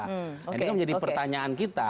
ini menjadi pertanyaan kita